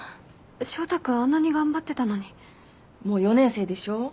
翔太君あんなに頑張ってたのにもう４年生でしょ？